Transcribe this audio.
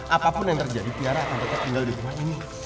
apapun yang terjadi tiara tampaknya tinggal di rumah ini